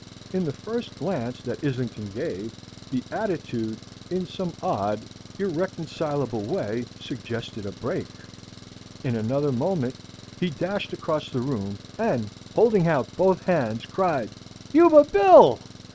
In the first glance that Islington gave, the attitude in some odd, irreconcilable way suggested a brake. In another moment he dashed across the room, and, holding out both hands, cried, "Yuba Bill!"